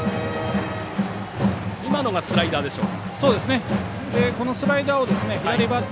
今のがスライダーでしょうか。